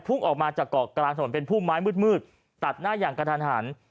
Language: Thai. ออกมาจากเกาะกลางถนนเป็นพุ่มไม้มืดตัดหน้าอย่างกระทันหัน